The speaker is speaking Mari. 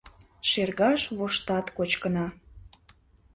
Шергаш воштат кочкына.